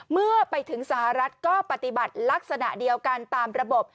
เมื่อไปถึงสหรัฐก็ปฏิบัติลักษณะเดียวกันตามระบบ